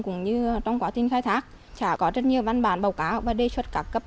cũng như trong quá trình khai thác chả có rất nhiều văn bản bầu cáo và đề xuất cả cấp